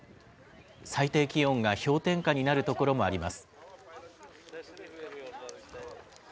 最低気温が氷点下になる所もあります。